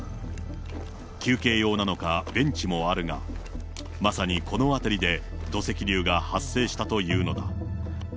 休憩用なのか、ベンチもあるが、まさにこの辺りで、土石流が発生したというのだ。